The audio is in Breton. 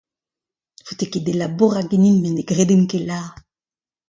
Ne faote ket dezho labourat ganin, met ne gredent ket lavar.